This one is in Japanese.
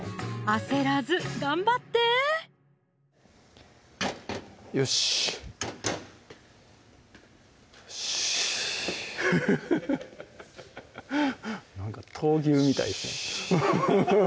焦らず頑張ってよしよしフフフフなんか闘牛みたいですね